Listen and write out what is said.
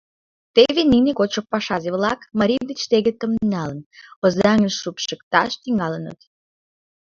Теве нине кодшо пашазе-влак, марий деч тегытым налын, Озаҥыш шупшыкташ тӱҥалыныт.